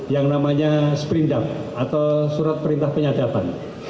yang namanya sprindap atau surat perintah penyadaban